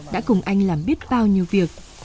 đã cùng anh làm biết bao nhiêu việc